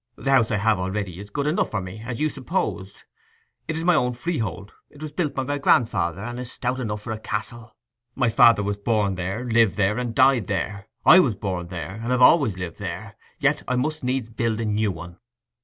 'The house I have already is good enough for me, as you supposed. It is my own freehold; it was built by my grandfather, and is stout enough for a castle. My father was born there, lived there, and died there. I was born there, and have always lived there; yet I must needs build a new one.